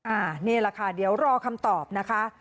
อันนี้แหละค่ะเดี๋ยวรอคำตอบนะคะ